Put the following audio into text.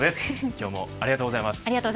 今日もありがとうございます。